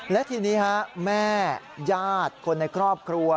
และทีนี้แม่ญาติคนในครอบครัว